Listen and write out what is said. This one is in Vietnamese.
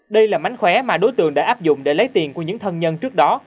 đây là mánh khóe mà đối tượng đã áp dụng để lấy tiền của những thân nhân trước đó